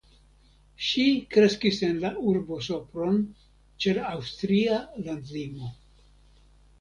Ŝi kreskis en la urbo Sopron ĉe la aŭstria landlimo.